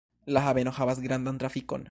La haveno havas grandan trafikon.